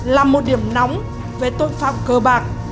là một điểm nóng về tội phạm cờ bạc